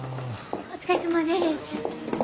お疲れさまです。